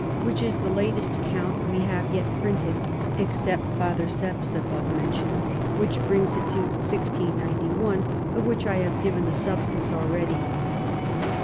which is the latest Account we have yet printed, except Father Sepp's abovemention'd, which brings it to 1691. of which I have given the Substance already.